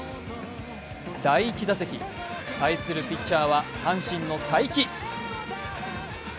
第１打席、対するピッチャーは阪神のさいき。